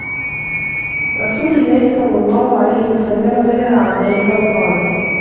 رَسُولِ اللَّهِ صَلَّى اللَّهُ عَلَيْهِ وَسَلَّمَ فَنَهَى عَنْ ذَلِكَ وَقَالَ